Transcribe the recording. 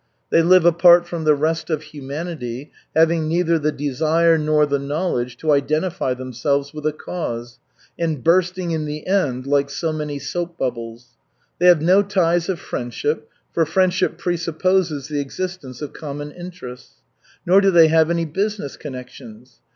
They live apart from the rest of humanity, having neither the desire nor the knowledge to identify themselves with a "cause," and bursting in the end like so many soap bubbles. They have no ties of friendship, for friendship presupposes the existence of common interests; nor do they have any business connections.